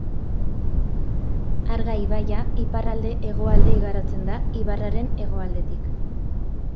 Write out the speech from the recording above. Arga ibaia iparralde-hegoalde igarotzen da ibarraren hegoaldetik.